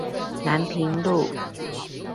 南平路